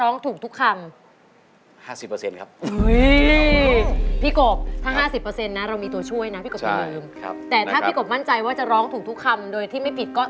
โอ้วเอาละจะได้ไม่ห่วง